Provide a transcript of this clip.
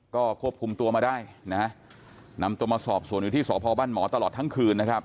ก็ควบคุมตัวมาได้นำตัวมาสอบส่วนอยู่ที่สพบหมอตลอดทั้งคืน